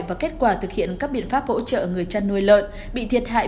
và kết quả thực hiện các biện pháp hỗ trợ người chăn nuôi lợn bị thiệt hại